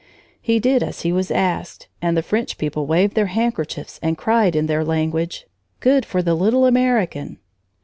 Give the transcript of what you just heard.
He did as he was asked, and the French people waved their handkerchiefs and cried in their language: "Good for the little American!"